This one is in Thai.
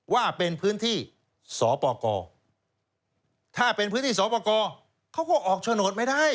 ว่าเป็นพื้นที่สปกรถ้าเป็นพื้นที่สอปกรเขาก็ออกโฉนดไม่ได้